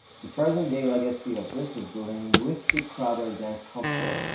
The present-day legacy of this is linguistic rather than cultural.